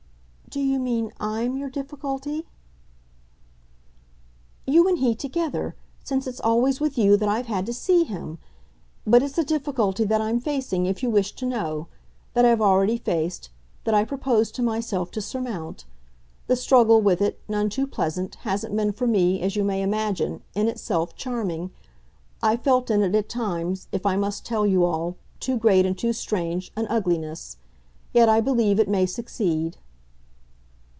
"Do you mean I'M your difficulty?" "You and he together since it's always with you that I've had to see him. But it's a difficulty that I'm facing, if you wish to know; that I've already faced; that I propose to myself to surmount. The struggle with it none too pleasant hasn't been for me, as you may imagine, in itself charming; I've felt in it at times, if I must tell you all, too great and too strange, an ugliness. Yet I believe it may succeed."